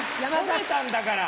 褒めたんだから！